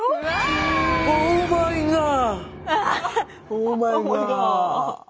オーマイガー！